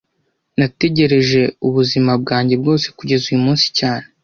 Nategereje ubuzima bwanjye bwose kugeza uyu munsi cyane